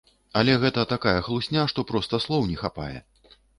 Але гэта такая хлусня, што проста слоў не хапае.